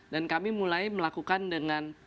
dan kami mulai melakukan dengan